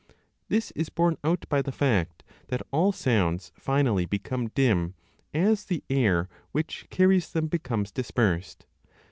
This is borne out 30 by the fact that all sounds finally become dim as the air which carries them becomes dispersed.